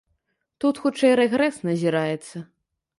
Тут хутчэй рэгрэс назіраецца.